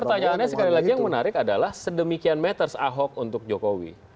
pertanyaannya sekali lagi yang menarik adalah sedemikian matters ahok untuk jokowi